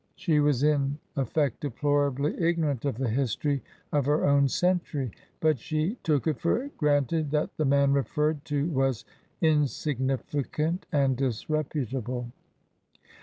She was in effect deplorably ignorant of the history of her own century. But she took it for granted that the man referred to was insignificant and disreputable.